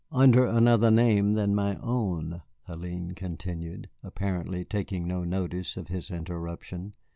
"Under another name than my own," Hélène continued, apparently taking no notice of his interruption.